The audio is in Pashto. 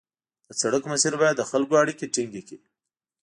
د سړک مسیر باید د خلکو اړیکې ټینګې کړي